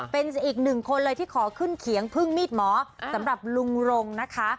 เป็นอีกหนึ่งคนเลยที่ขอขึ้นเขียงพึ่งมีดหมอสำหรับลุงรงนะคะ